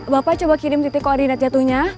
bapak coba kirim titik koordinat jatuhnya